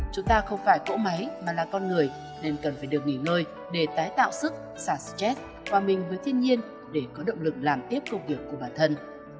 chúng ta không phải cỗ máy mà là con người nên cần phải được nghỉ ngơi để tái tạo sức xả stress hòa mình với thiên nhiên để có động lực làm tiếp công việc của bản thân